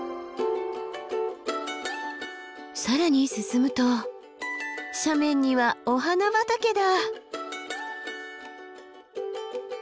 更に進むと斜面にはお花畑だ！